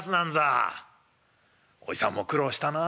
あおじさんも苦労したな」。